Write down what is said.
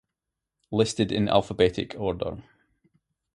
Listed in alphabetic order.